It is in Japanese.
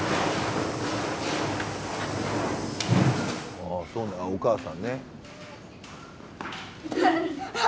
ああそうお母さんね。